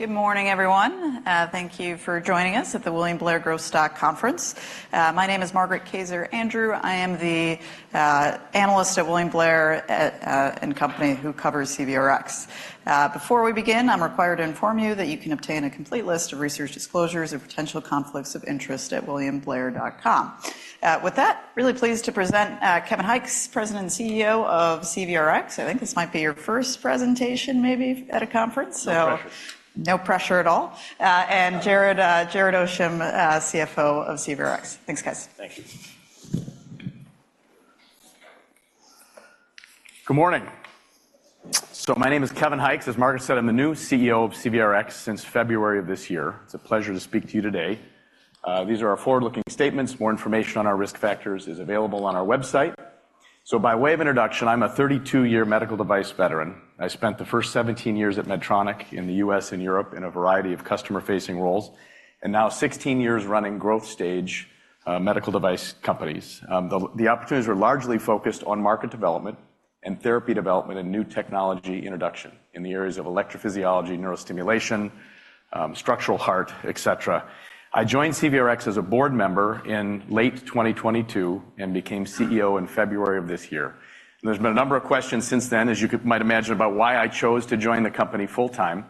Good morning, everyone. Thank you for joining us at the William Blair Growth Stock Conference. My name is Margaret Kaczor Andrew. I am the analyst at William Blair and Company, who covers CVRx. Before we begin, I'm required to inform you that you can obtain a complete list of research disclosures or potential conflicts of interest at williamblair.com. With that, really pleased to present Kevin Hykes, President and CEO of CVRx. I think this might be your first presentation, maybe, at a conference, so- No pressure. No pressure at all. And Jared Oasheim, CFO of CVRx. Thanks, guys. Thank you. Good morning. My name is Kevin Hykes. As Margaret said, I'm the new CEO of CVRx since February of this year. It's a pleasure to speak to you today. These are our forward-looking statements. More information on our risk factors is available on our website. By way of introduction, I'm a 32-year medical device veteran. I spent the first 17 years at Medtronic in the U.S. and Europe in a variety of customer-facing roles, and now 16 years running growth stage medical device companies. The opportunities were largely focused on market development and therapy development and new technology introduction in the areas of electrophysiology, neurostimulation, structural heart, et cetera. I joined CVRx as a board member in late 2022 and became CEO in February of this year. There's been a number of questions since then, as you might imagine, about why I chose to join the company full-time,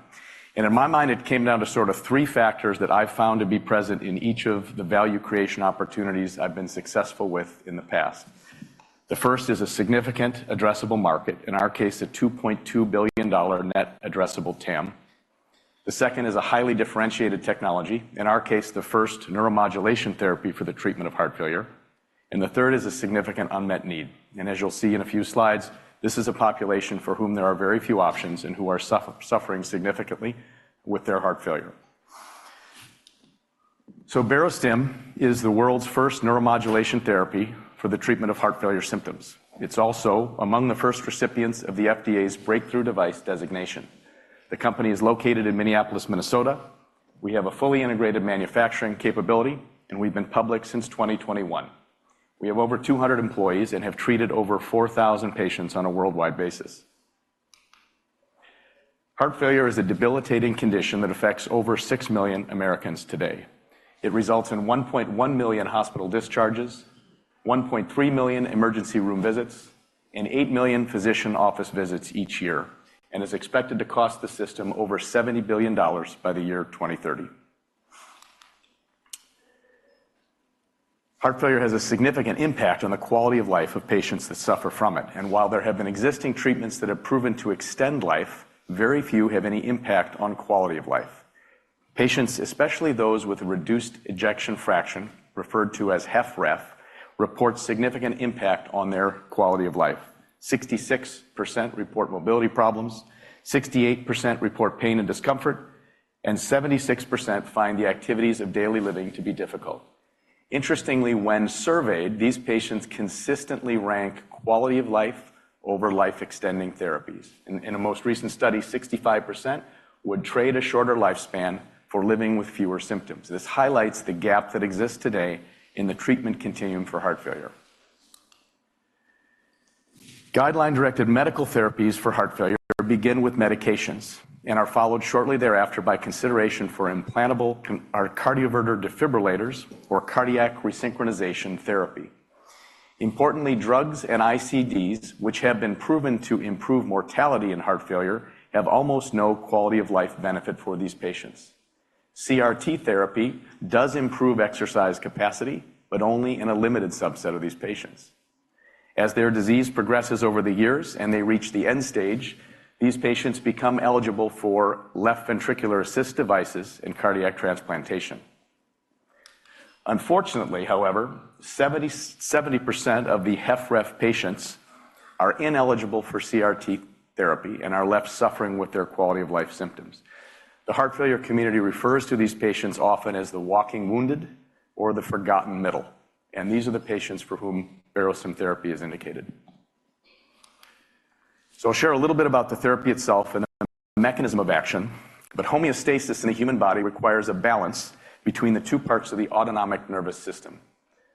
and in my mind, it came down to sort of three factors that I found to be present in each of the value creation opportunities I've been successful with in the past. The first is a significant addressable market, in our case, a $2.2 billion net addressable TAM. The second is a highly differentiated technology, in our case, the first neuromodulation therapy for the treatment of heart failure. And the third is a significant unmet need, and as you'll see in a few slides, this is a population for whom there are very few options and who are suffering significantly with their heart failure. So Barostim is the world's first neuromodulation therapy for the treatment of heart failure symptoms. It's also among the first recipients of the FDA's Breakthrough Device Designation. The company is located in Minneapolis, Minnesota. We have a fully integrated manufacturing capability, and we've been public since 2021. We have over 200 employees and have treated over 4,000 patients on a worldwide basis. Heart failure is a debilitating condition that affects over 6 million Americans today. It results in 1.1 million hospital discharges, 1.3 million emergency room visits, and 8 million physician office visits each year, and is expected to cost the system over $70 billion by the year 2030. Heart failure has a significant impact on the quality of life of patients that suffer from it, and while there have been existing treatments that have proven to extend life, very few have any impact on quality of life. Patients, especially those with a reduced ejection fraction, referred to as HFrEF, report significant impact on their quality of life. 66% report mobility problems, 68% report pain and discomfort, and 76% find the activities of daily living to be difficult. Interestingly, when surveyed, these patients consistently rank quality of life over life-extending therapies. In a most recent study, 65% would trade a shorter lifespan for living with fewer symptoms. This highlights the gap that exists today in the treatment continuum for heart failure. Guideline-directed medical therapies for heart failure begin with medications and are followed shortly thereafter by consideration for implantable cardioverter defibrillators or cardiac resynchronization therapy. Importantly, drugs and ICDs, which have been proven to improve mortality in heart failure, have almost no quality-of-life benefit for these patients. CRT therapy does improve exercise capacity, but only in a limited subset of these patients. As their disease progresses over the years and they reach the end stage, these patients become eligible for left ventricular assist devices and cardiac transplantation. Unfortunately, however, 70% of the HFrEF patients are ineligible for CRT therapy and are left suffering with their quality-of-life symptoms. The heart failure community refers to these patients often as the walking wounded or the forgotten middle, and these are the patients for whom Barostim therapy is indicated. So I'll share a little bit about the therapy itself and the mechanism of action, but homeostasis in the human body requires a balance between the two parts of the autonomic nervous system.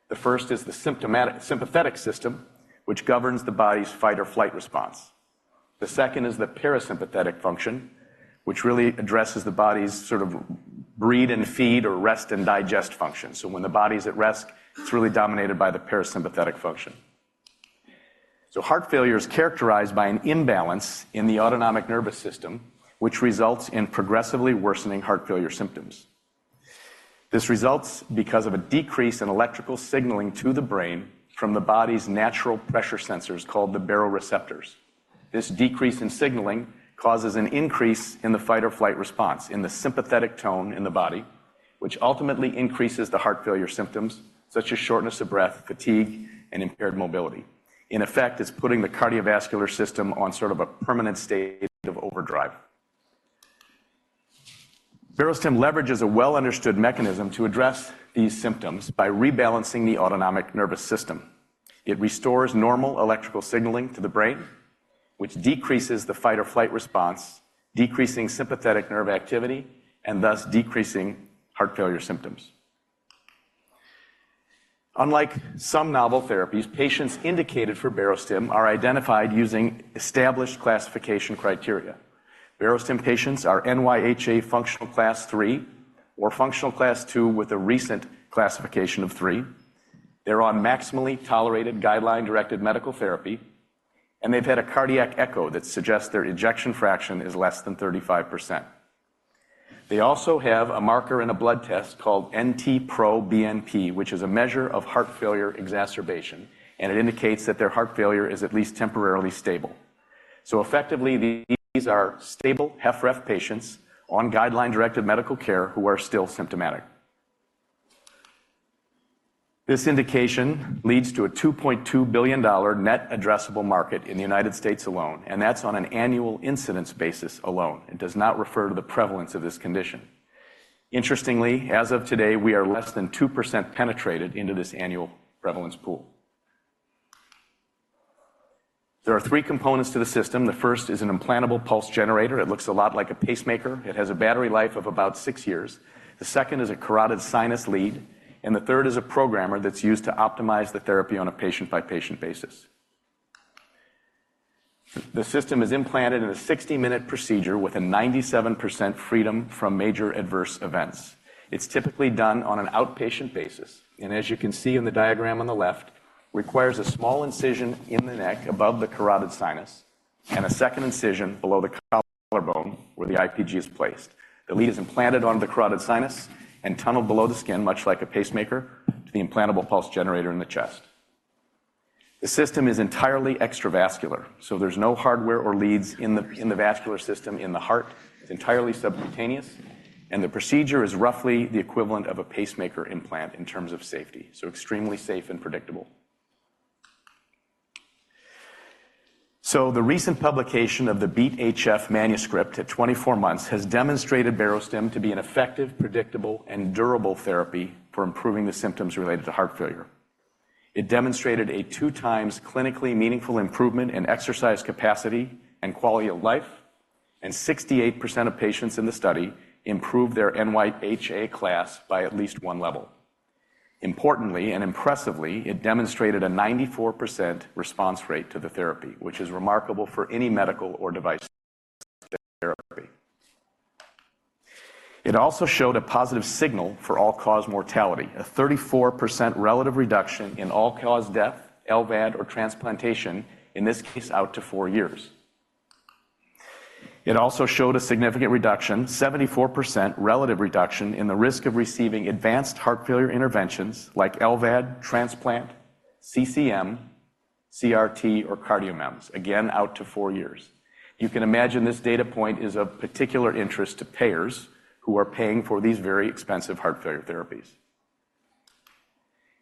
The first is the sympathetic system, which governs the body's fight or flight response. The second is the parasympathetic function, which really addresses the body's sort of breed and feed or rest and digest function. So when the body's at rest, it's really dominated by the parasympathetic function. So heart failure is characterized by an imbalance in the autonomic nervous system, which results in progressively worsening heart failure symptoms. This results because of a decrease in electrical signaling to the brain from the body's natural pressure sensors, called the baroreceptors. This decrease in signaling causes an increase in the fight or flight response, in the sympathetic tone in the body, which ultimately increases the heart failure symptoms, such as shortness of breath, fatigue, and impaired mobility. In effect, it's putting the cardiovascular system on sort of a permanent state of overdrive. Barostim leverages a well-understood mechanism to address these symptoms by rebalancing the autonomic nervous system. It restores normal electrical signaling to the brain, which decreases the fight or flight response, decreasing sympathetic nerve activity and thus decreasing heart failure symptoms. Unlike some novel therapies, patients indicated for Barostim are identified using established classification criteria. Barostim patients are NYHA functional Class III, or functional Class II with a recent classification of 3. They're on maximally tolerated guideline-directed medical therapy, and they've had a cardiac echo that suggests their ejection fraction is less than 35%. They also have a marker and a blood test called NT-proBNP, which is a measure of heart failure exacerbation, and it indicates that their heart failure is at least temporarily stable. So effectively, these are stable HFrEF patients on guideline-directed medical care who are still symptomatic. This indication leads to a $2.2 billion net addressable market in the United States alone, and that's on an annual incidence basis alone, and does not refer to the prevalence of this condition. Interestingly, as of today, we are less than 2% penetrated into this annual prevalence pool. There are three components to the system. The first is an implantable pulse generator. It looks a lot like a pacemaker. It has a battery life of about six years. The second is a carotid sinus lead, and the third is a programmer that's used to optimize the therapy on a patient-by-patient basis. The system is implanted in a 60-minute procedure with a 97% freedom from major adverse events. It's typically done on an outpatient basis, and as you can see in the diagram on the left, requires a small incision in the neck above the carotid sinus and a second incision below the collarbone, where the IPG is placed. The lead is implanted onto the carotid sinus and tunneled below the skin, much like a pacemaker, to the implantable pulse generator in the chest. The system is entirely extravascular, so there's no hardware or leads in the vascular system in the heart. It's entirely subcutaneous, and the procedure is roughly the equivalent of a pacemaker implant in terms of safety, so extremely safe and predictable. So the recent publication of the BEAT-HF manuscript at 24 months has demonstrated Barostim to be an effective, predictable, and durable therapy for improving the symptoms related to heart failure. It demonstrated a two times clinically meaningful improvement in exercise capacity and quality of life, and 68% of patients in the study improved their NYHA class by at least one level. Importantly and impressively, it demonstrated a 94% response rate to the therapy, which is remarkable for any medical or device therapy. It also showed a positive signal for all-cause mortality, a 34% relative reduction in all-cause death, LVAD or transplantation, in this case, out to four years. It also showed a significant reduction, 74% relative reduction, in the risk of receiving advanced heart failure interventions like LVAD, transplant, CCM, CRT, or CardioMEMS. Again, out to 4 years. You can imagine this data point is of particular interest to payers who are paying for these very expensive heart failure therapies.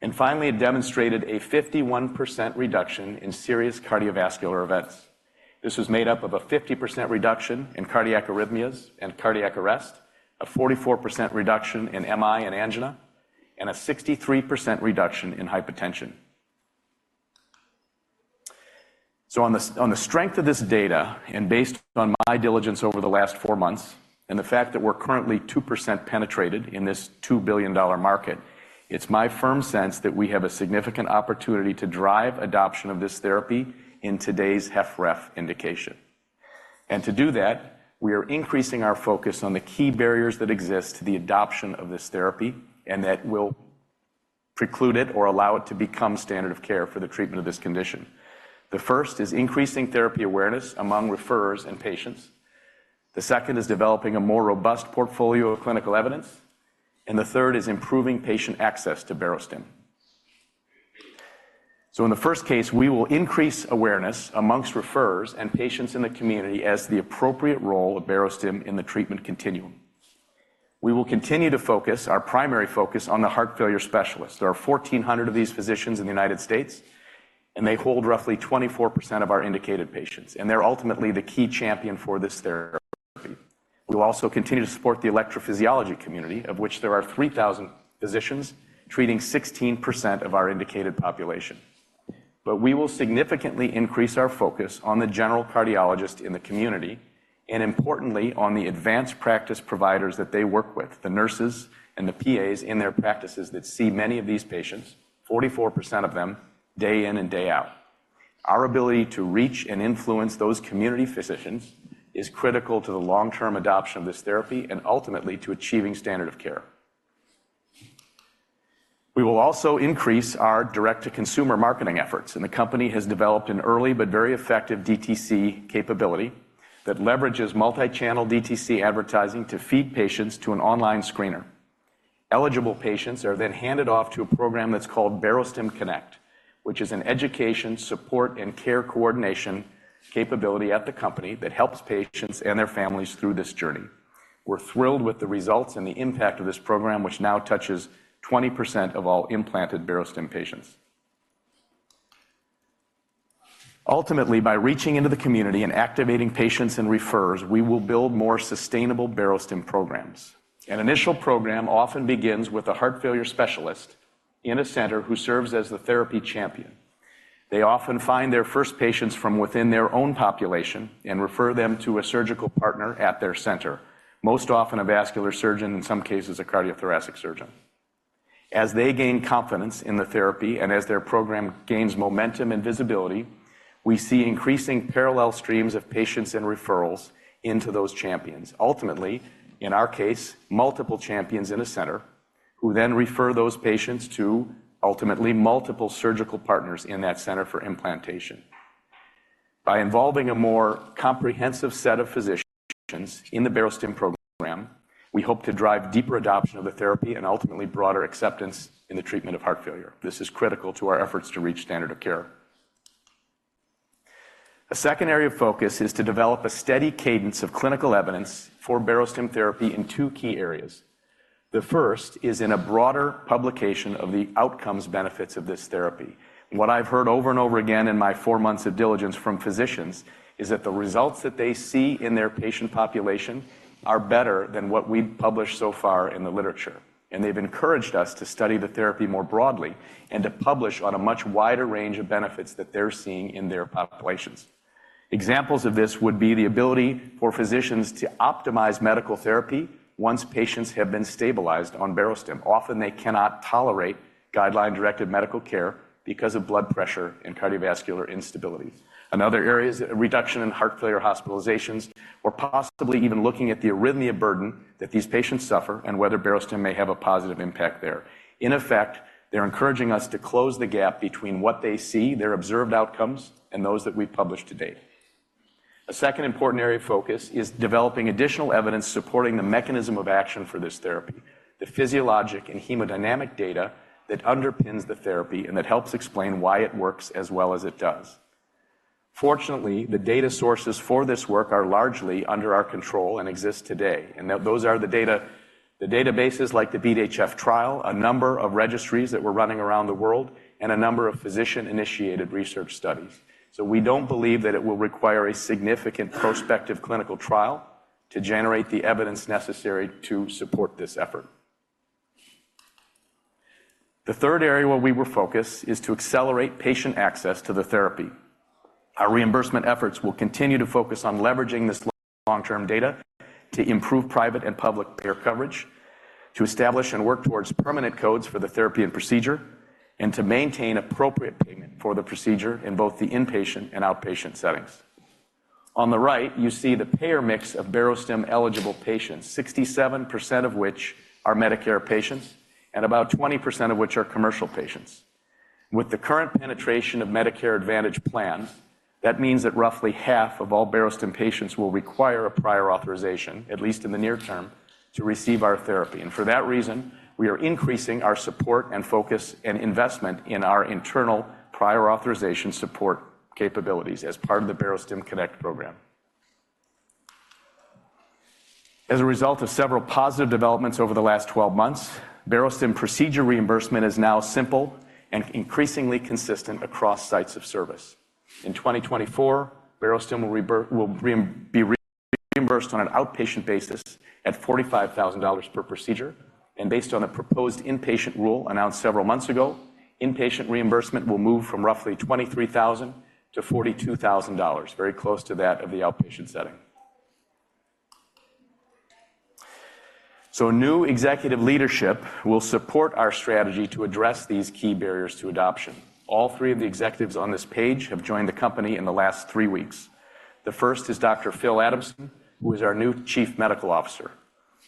And finally, it demonstrated a 51% reduction in serious cardiovascular events. This was made up of a 50% reduction in cardiac arrhythmias and cardiac arrest, a 44% reduction in MI and angina, and a 63% reduction in hypertension. So on the strength of this data, and based on my diligence over the last 4 months, and the fact that we're currently 2% penetrated in this $2 billion market, it's my firm sense that we have a significant opportunity to drive adoption of this therapy in today's HFrEF indication. And to do that, we are increasing our focus on the key barriers that exist to the adoption of this therapy and that will preclude it or allow it to become standard of care for the treatment of this condition. The first is increasing therapy awareness among referrers and patients. The second is developing a more robust portfolio of clinical evidence, and the third is improving patient access to Barostim. So in the first case, we will increase awareness among referrers and patients in the community as the appropriate role of Barostim in the treatment continuum. We will continue to focus our primary focus on the heart failure specialists. There are 1,400 of these physicians in the United States, and they hold roughly 24% of our indicated patients, and they're ultimately the key champion for this therapy. We will also continue to support the electrophysiology community, of which there are 3,000 physicians treating 16% of our indicated population. But we will significantly increase our focus on the general cardiologist in the community and importantly, on the advanced practice providers that they work with, the nurses and the PAs in their practices that see many of these patients, 44% of them, day in and day out. Our ability to reach and influence those community physicians is critical to the long-term adoption of this therapy and ultimately to achieving standard of care. We will also increase our direct-to-consumer marketing efforts, and the company has developed an early but very effective DTC capability that leverages multi-channel DTC advertising to feed patients to an online screener. Eligible patients are then handed off to a program that's called Barostim Connect, which is an education, support, and care coordination capability at the company that helps patients and their families through this journey. We're thrilled with the results and the impact of this program, which now touches 20% of all implanted Barostim patients. Ultimately, by reaching into the community and activating patients and referrers, we will build more sustainable Barostim programs. An initial program often begins with a heart failure specialist in a center who serves as the therapy champion. They often find their first patients from within their own population and refer them to a surgical partner at their center, most often a vascular surgeon, in some cases, a cardiothoracic surgeon. As they gain confidence in the therapy and as their program gains momentum and visibility, we see increasing parallel streams of patients and referrals into those champions. Ultimately, in our case, multiple champions in a center, who then refer those patients to, ultimately, multiple surgical partners in that center for implantation. By involving a more comprehensive set of physicians in the Barostim program, we hope to drive deeper adoption of the therapy and ultimately broader acceptance in the treatment of heart failure. This is critical to our efforts to reach standard of care. A second area of focus is to develop a steady cadence of clinical evidence for Barostim therapy in two key areas. The first is in a broader publication of the outcomes benefits of this therapy. What I've heard over and over again in my four months of diligence from physicians is that the results that they see in their patient population are better than what we've published so far in the literature. They've encouraged us to study the therapy more broadly and to publish on a much wider range of benefits that they're seeing in their populations. Examples of this would be the ability for physicians to optimize medical therapy once patients have been stabilized on Barostim. Often, they cannot tolerate guideline-directed medical care because of blood pressure and cardiovascular instability. Another area is a reduction in heart failure hospitalizations, or possibly even looking at the arrhythmia burden that these patients suffer and whether Barostim may have a positive impact there. In effect, they're encouraging us to close the gap between what they see, their observed outcomes, and those that we've published to date. A second important area of focus is developing additional evidence supporting the mechanism of action for this therapy, the physiologic and hemodynamic data that underpins the therapy and that helps explain why it works as well as it does. Fortunately, the data sources for this work are largely under our control and exist today, and that those are the data... The databases like the BEAT-HF trial, a number of registries that we're running around the world, and a number of physician-initiated research studies. So we don't believe that it will require a significant prospective clinical trial to generate the evidence necessary to support this effort. The third area where we were focused is to accelerate patient access to the therapy. Our reimbursement efforts will continue to focus on leveraging this long-term data to improve private and public payer coverage, to establish and work towards permanent codes for the therapy and procedure, and to maintain appropriate payment for the procedure in both the inpatient and outpatient settings. On the right, you see the payer mix of Barostim-eligible patients, 67% of which are Medicare patients and about 20% of which are commercial patients. With the current penetration of Medicare Advantage plans, that means that roughly half of all Barostim patients will require a prior authorization, at least in the near term, to receive our therapy. And for that reason, we are increasing our support and focus and investment in our internal prior authorization support capabilities as part of the Barostim Connect program. As a result of several positive developments over the last 12 months, Barostim procedure reimbursement is now simple and increasingly consistent across sites of service. In 2024, Barostim will be reimbursed on an outpatient basis at $45,000 per procedure, and based on a proposed inpatient rule announced several months ago, inpatient reimbursement will move from roughly $23,000 to $42,000, very close to that of the outpatient setting. So new executive leadership will support our strategy to address these key barriers to adoption. All three of the executives on this page have joined the company in the last three weeks. The first is Dr. Phil Adamson, who is our new Chief Medical Officer.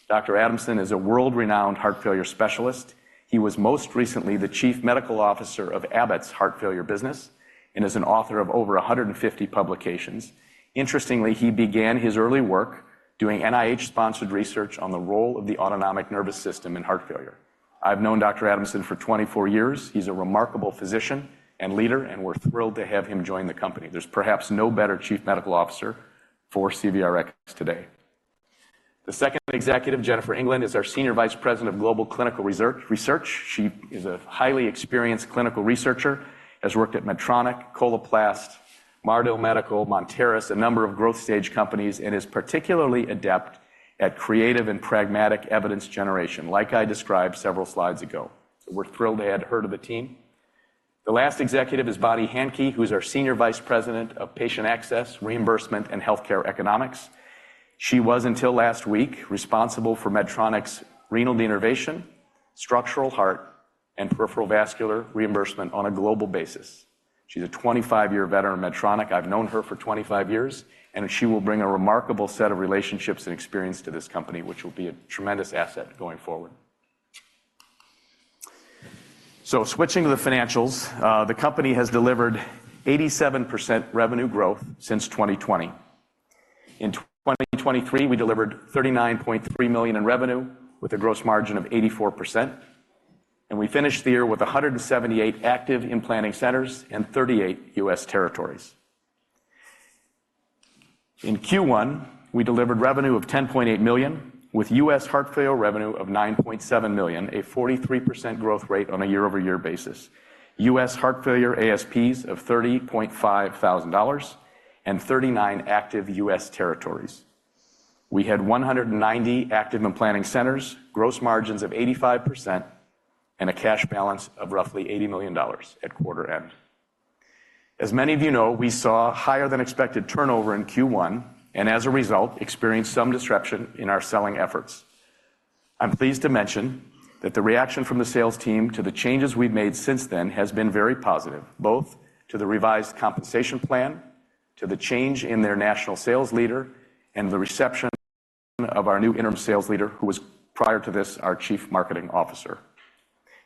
Dr. Adamson is a world-renowned heart failure specialist. He was most recently the chief medical officer of Abbott's Heart Failure business and is an author of over 150 publications. Interestingly, he began his early work doing NIH-sponsored research on the role of the autonomic nervous system in heart failure. I've known Dr. Adamson for 24 years. He's a remarkable physician and leader, and we're thrilled to have him join the company. There's perhaps no better chief medical officer for CVRx today. The second executive, Jennifer Englund, is our senior vice president of Global Clinical Research. She is a highly experienced clinical researcher, has worked at Medtronic, Coloplast, Mardil Medical, Monteris, a number of growth stage companies, and is particularly adept at creative and pragmatic evidence generation, like I described several slides ago. So we're thrilled to add her to the team. The last executive is Bonnie Handke, who's our Senior Vice President of Patient Access, Reimbursement, and Healthcare Economics. She was, until last week, responsible for Medtronic's renal denervation, structural heart, and peripheral vascular reimbursement on a global basis. She's a 25-year veteran of Medtronic. I've known her for 25 years, and she will bring a remarkable set of relationships and experience to this company, which will be a tremendous asset going forward. So switching to the financials, the company has delivered 87% revenue growth since 2020. In 2023, we delivered $39.3 million in revenue with a gross margin of 84%, and we finished the year with 178 active implanting centers in 38 US territories. In Q1, we delivered revenue of $10.8 million, with US heart failure revenue of $9.7 million, a 43% growth rate on a year-over-year basis. US heart failure ASPs of $30,500 and 39 active US territories. We had 190 active and planning centers, gross margins of 85%, and a cash balance of roughly $80 million at quarter end. As many of you know, we saw higher than expected turnover in Q1, and as a result, experienced some disruption in our selling efforts. I'm pleased to mention that the reaction from the sales team to the changes we've made since then has been very positive, both to the revised compensation plan, to the change in their national sales leader, and the reception of our new interim sales leader, who was, prior to this, our chief marketing officer.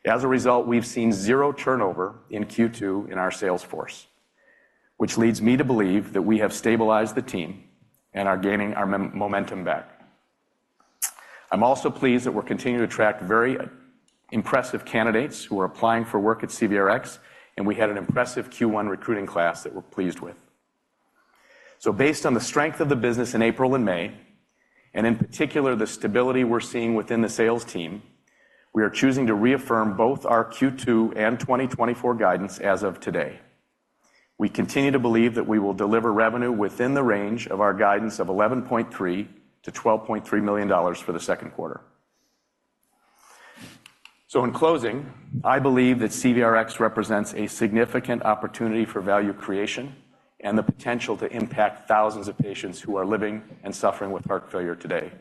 As a result, we've seen zero turnover in Q2 in our sales force, which leads me to believe that we have stabilized the team and are gaining our momentum back. I'm also pleased that we're continuing to attract very impressive candidates who are applying for work at CVRx, and we had an impressive Q1 recruiting class that we're pleased with. So based on the strength of the business in April and May, and in particular, the stability we're seeing within the sales team, we are choosing to reaffirm both our Q2 and 2024 guidance as of today. We continue to believe that we will deliver revenue within the range of our guidance of $11.3 million-$12.3 million for the second quarter. So in closing, I believe that CVRx represents a significant opportunity for value creation and the potential to impact thousands of patients who are living and suffering with heart failure today.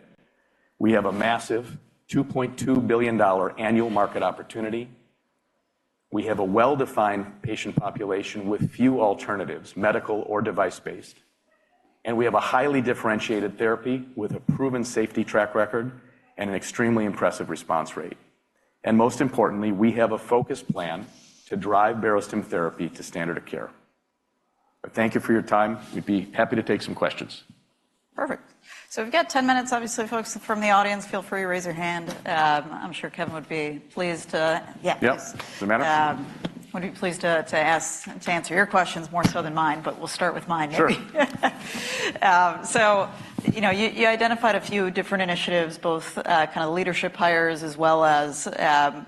We have a massive $2.2 billion annual market opportunity. We have a well-defined patient population with few alternatives, medical or device-based, and we have a highly differentiated therapy with a proven safety track record and an extremely impressive response rate. Most importantly, we have a focused plan to drive Barostim therapy to standard of care. Thank you for your time. We'd be happy to take some questions. Perfect. So we've got 10 minutes, obviously, folks from the audience, feel free to raise your hand. I'm sure Kevin would be pleased to- yeah. Yes, does it matter? Would you be pleased to answer your questions more so than mine, but we'll start with mine maybe. Sure. So you know, you identified a few different initiatives, both kinda leadership hires, as well as,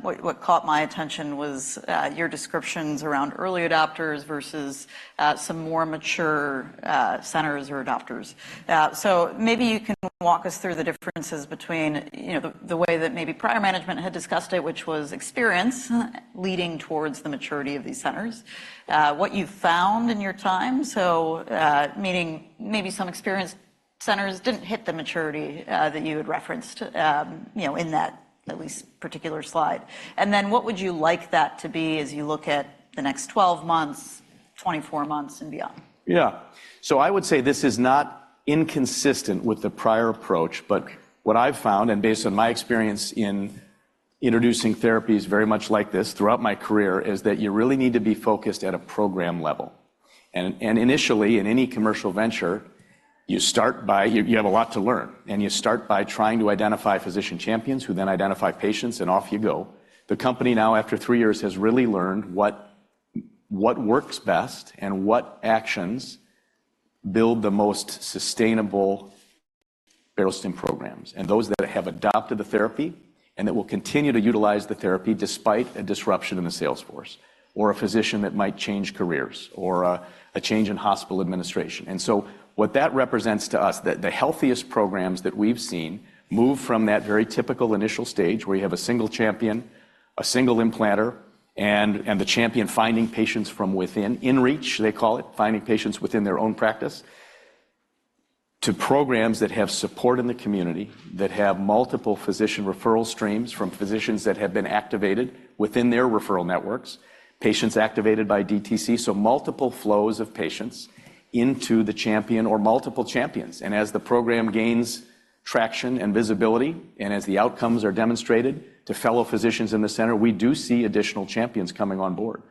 what caught my attention was, your descriptions around early adopters versus some more mature centers or adopters. So maybe you can walk us through the differences between, you know, the way that maybe prior management had discussed it, which was experience leading towards the maturity of these centers. What you found in your time, so meaning maybe some experienced centers didn't hit the maturity that you had referenced, you know, in that at least particular slide. And then what would you like that to be as you look at the next 12 months, 24 months, and beyond? Yeah. So I would say this is not inconsistent with the prior approach, but what I've found, and based on my experience in introducing therapies very much like this throughout my career, is that you really need to be focused at a program level. And initially, in any commercial venture, you start by... You have a lot to learn, and you start by trying to identify physician champions who then identify patients, and off you go. The company now, after three years, has really learned what works best and what actions build the most sustainable Barostim programs, and those that have adopted the therapy and that will continue to utilize the therapy despite a disruption in the sales force, or a physician that might change careers, or a change in hospital administration. And so what that represents to us, the healthiest programs that we've seen, move from that very typical initial stage, where you have a single champion, a single implanter, and the champion finding patients from within, in reach, they call it, finding patients within their own practice, to programs that have support in the community, that have multiple physician referral streams from physicians that have been activated within their referral networks, patients activated by DTC, so multiple flows of patients into the champion or multiple champions. And as the program gains traction and visibility, and as the outcomes are demonstrated to fellow physicians in the center, we do see additional champions coming on board.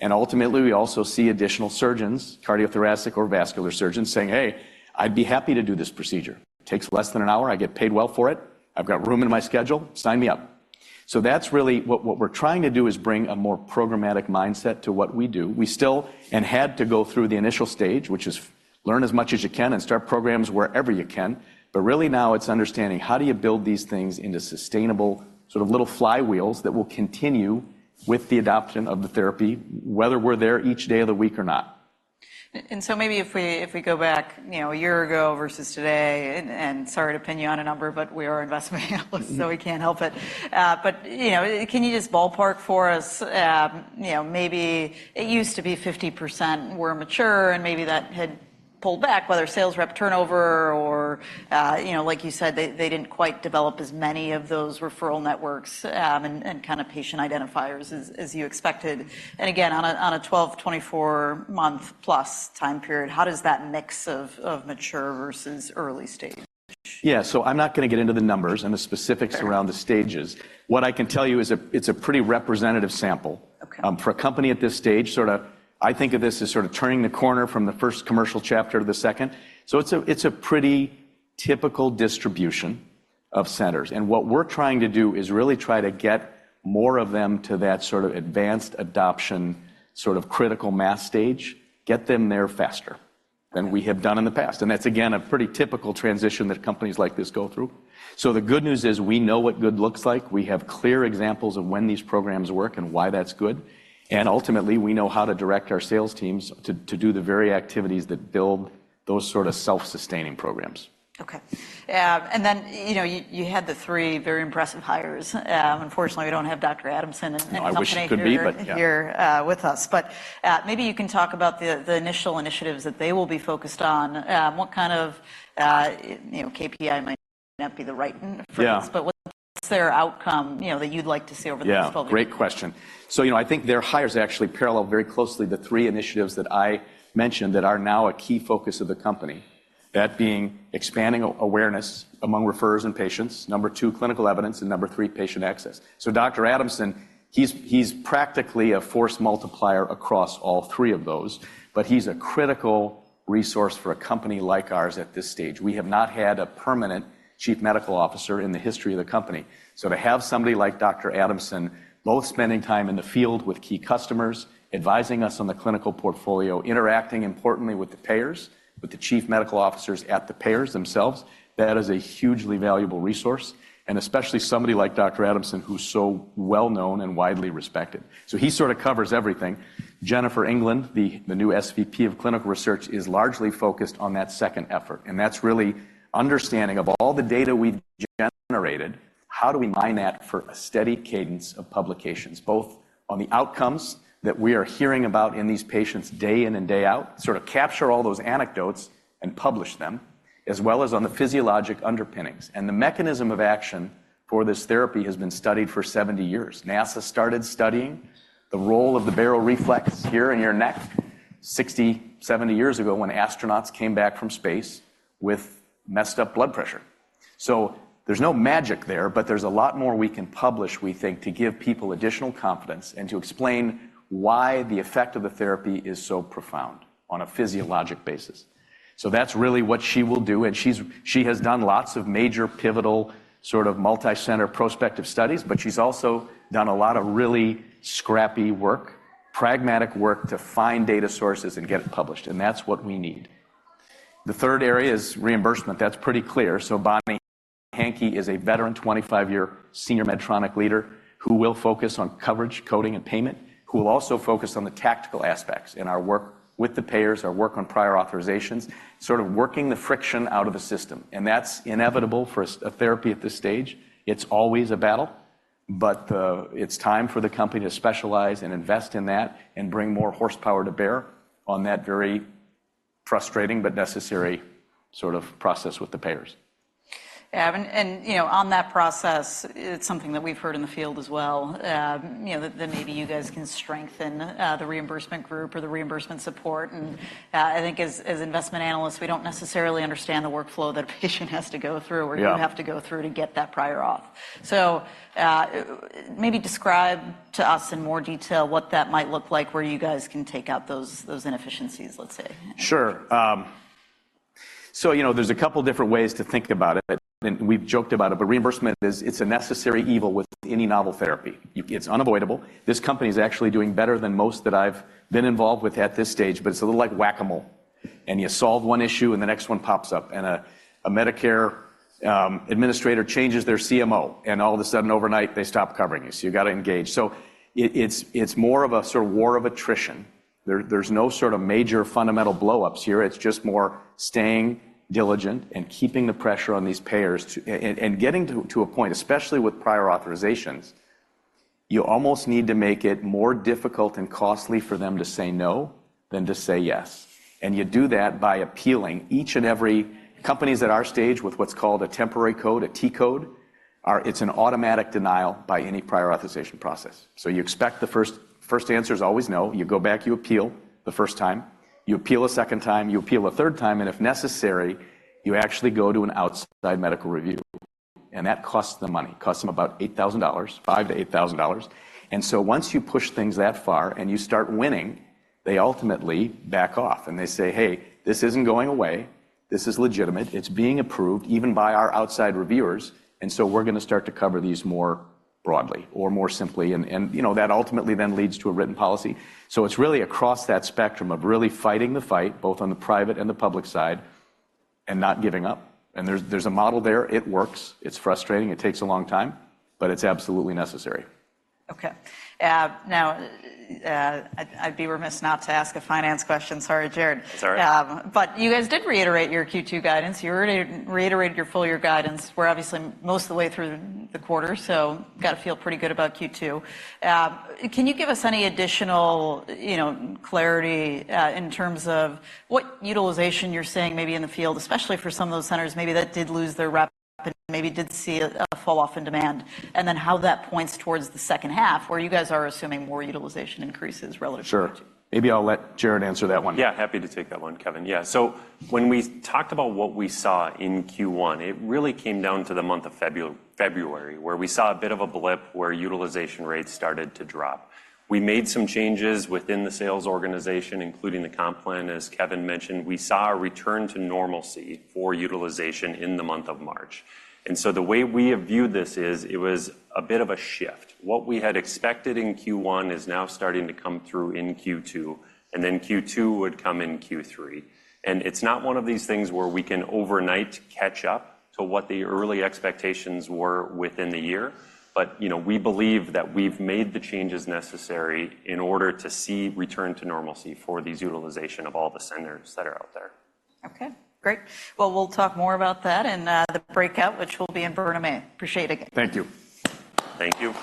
And ultimately, we also see additional surgeons, cardiothoracic or vascular surgeons, saying, "Hey, I'd be happy to do this procedure. Takes less than an hour, I get paid well for it. I've got room in my schedule. Sign me up." So that's really what, what we're trying to do is bring a more programmatic mindset to what we do. We still, and had to go through the initial stage, which is learn as much as you can and start programs wherever you can. But really now it's understanding how do you build these things into sustainable sort of little flywheels that will continue with the adoption of the therapy, whether we're there each day of the week or not. And so maybe if we go back, you know, a year ago versus today, and sorry to pin you on a number, but we are investment analysts, so we can't help it. But, you know, can you just ballpark for us, you know, maybe it used to be 50% were mature, and maybe that had pulled back, whether sales rep turnover or, you know, like you said, they didn't quite develop as many of those referral networks, and kind of patient identifiers as you expected. And again, on a 12-24 month-plus time period, how does that mix of mature versus early stage? Yeah, so I'm not gonna get into the numbers and the specifics- Fair... around the stages. What I can tell you is, it's a pretty representative sample- Okay... for a company at this stage. Sort of, I think of this as sort of turning the corner from the first commercial chapter to the second. So it's a, it's a pretty typical distribution of centers, and what we're trying to do is really try to get more of them to that sort of advanced adoption, sort of critical mass stage, get them there faster... than we have done in the past, and that's again, a pretty typical transition that companies like this go through. So the good news is we know what good looks like. We have clear examples of when these programs work and why that's good, and ultimately, we know how to direct our sales teams to do the very activities that build those sort of self-sustaining programs. Okay. And then, you know, you had the three very impressive hires. Unfortunately, we don't have Dr. Adamson- No, I wish he could be, but yeah. here, with us. But, maybe you can talk about the, the initial initiatives that they will be focused on. What kind of, you know, KPI might not be the right one for this- Yeah. What's their outcome, you know, that you'd like to see over the next 12 months? Yeah, great question. So, you know, I think their hires actually parallel very closely the three initiatives that I mentioned that are now a key focus of the company, that being expanding awareness among referrers and patients, number two, clinical evidence, and number three, patient access. So Dr. Adamson, he's practically a force multiplier across all three of those, but he's a critical resource for a company like ours at this stage. We have not had a permanent Chief Medical Officer in the history of the company. So to have somebody like Dr. Adamson, both spending time in the field with key customers, advising us on the clinical portfolio, interacting importantly with the payers, with the Chief Medical Officers at the payers themselves, that is a hugely valuable resource, and especially somebody like Dr. Adamson, who's so well known and widely respected. So he sort of covers everything. Jennifer Englund, the new SVP of Clinical Research, is largely focused on that second effort, and that's really understanding of all the data we've generated, how do we mine that for a steady cadence of publications, both on the outcomes that we are hearing about in these patients day in and day out, sort of capture all those anecdotes and publish them, as well as on the physiologic underpinnings? And the mechanism of action for this therapy has been studied for 70 years. NASA started studying the role of the baroreflex here in your neck 60, 70 years ago when astronauts came back from space with messed up blood pressure. So there's no magic there, but there's a lot more we can publish, we think, to give people additional confidence and to explain why the effect of the therapy is so profound on a physiologic basis. So that's really what she will do, and she has done lots of major, pivotal, sort of multicenter prospective studies, but she's also done a lot of really scrappy work, pragmatic work to find data sources and get it published, and that's what we need. The third area is reimbursement. That's pretty clear. So Bonnie Handke is a veteran 25-year senior Medtronic leader who will focus on coverage, coding, and payment, who will also focus on the tactical aspects in our work with the payers, our work on prior authorizations, sort of working the friction out of the system, and that's inevitable for a therapy at this stage. It's always a battle, but it's time for the company to specialize and invest in that and bring more horsepower to bear on that very frustrating but necessary sort of process with the payers. Yeah, and you know, on that process, it's something that we've heard in the field as well, you know, that maybe you guys can strengthen the reimbursement group or the reimbursement support. I think as investment analysts, we don't necessarily understand the workflow that a patient has to go through- Yeah or you have to go through to get that prior auth off. So, maybe describe to us in more detail what that might look like, where you guys can take out those inefficiencies, let's say. Sure, so, you know, there's a couple different ways to think about it, and we've joked about it, but reimbursement is. It's a necessary evil with any novel therapy. It's unavoidable. This company is actually doing better than most that I've been involved with at this stage, but it's a little like Whac-A-Mole, and you solve one issue, and the next one pops up, and a Medicare administrator changes their CMO, and all of a sudden, overnight, they stop covering you. So you've got to engage. So it's more of a sort of war of attrition. There's no sort of major fundamental blowups here. It's just more staying diligent and keeping the pressure on these payers to... And getting to a point, especially with prior authorizations, you almost need to make it more difficult and costly for them to say no than to say yes. And you do that by appealing each and every... Companies at our stage with what's called a temporary code, a T-code, are. It's an automatic denial by any prior authorization process. So you expect the first answer is always no. You go back, you appeal the first time, you appeal a second time, you appeal a third time, and if necessary, you actually go to an outside medical review, and that costs them money, costs them about $8,000, $5,000-$8,000, and so once you push things that far, and you start winning, they ultimately back off, and they say, "Hey, this isn't going away. This is legitimate. It's being approved even by our outside reviewers, and so we're gonna start to cover these more broadly or more simply," and you know, that ultimately then leads to a written policy. So it's really across that spectrum of really fighting the fight, both on the private and the public side, and not giving up, and there's a model there. It works. It's frustrating. It takes a long time, but it's absolutely necessary. Okay. Now, I'd be remiss not to ask a finance question. Sorry, Jared. That's all right. But you guys did reiterate your Q2 guidance. You already reiterated your full year guidance. We're obviously most of the way through the quarter, so got to feel pretty good about Q2. Can you give us any additional, you know, clarity, in terms of what utilization you're seeing maybe in the field, especially for some of those centers, maybe that did lose their rapid, maybe did see a falloff in demand, and then how that points towards the second half, where you guys are assuming more utilization increases relative to- Sure. Maybe I'll let Jared answer that one. Yeah, happy to take that one, Kevin. Yeah, so when we talked about what we saw in Q1, it really came down to the month of February, where we saw a bit of a blip where utilization rates started to drop. We made some changes within the sales organization, including the comp plan, as Kevin mentioned. We saw a return to normalcy for utilization in the month of March, and so the way we have viewed this is it was a bit of a shift. What we had expected in Q1 is now starting to come through in Q2, and then Q2 would come in Q3, and it's not one of these things where we can overnight catch up to what the early expectations were within the year, but, you know, we believe that we've made the changes necessary in order to see return to normalcy for these utilization of all the centers that are out there. Okay, great. Well, we'll talk more about that in the breakout, which will be in Vernon A. Appreciate it again. Thank you. Thank you.